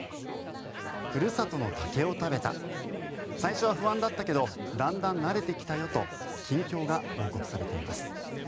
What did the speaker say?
ふるさとの竹を食べた最初は不安だったけどだんだん慣れてきたよと近況が報告されています。